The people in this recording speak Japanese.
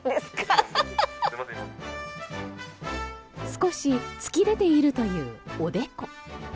少し突き出ているというおでこ。